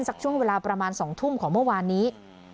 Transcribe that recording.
ช่วงเวลาประมาณ๒ทุ่มของเมื่อวานนี้